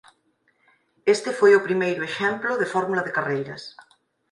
Este foi o primeiro exemplo de fórmula de carreiras.